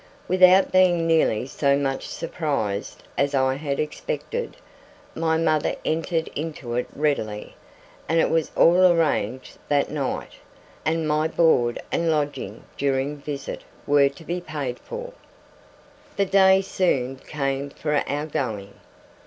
Without being nearly so much surprised as I had expected, my mother entered into it readily; and it was all arranged that night, and my board and lodging during the visit were to be paid for. The day soon came for our going.